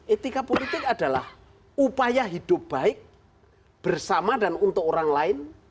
etika politik adalah upaya hidup baik bersama dan untuk orang lain